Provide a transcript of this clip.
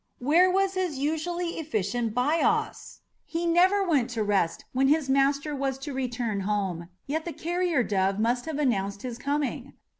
Where was his usually efficient Bias? He never went to rest when his master was to return home, yet the carrier dove must have announced his coming!